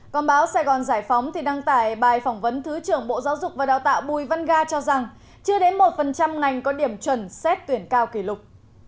còn báo sài gòn giải phóng thì đăng tải bài phỏng vấn thứ trưởng bộ giáo dục và đào tạo bùi văn ga cho rằng chưa đến một ngành có điểm chuẩn xét tuyển cao kỷ lục